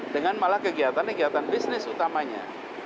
dengan malah kegiatan kegiatan bisnis utamanya